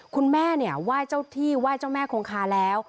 คุณแม่เนี่ยไหว้เจ้าที่ไหว้เจ้าแม่คงคาแล้ว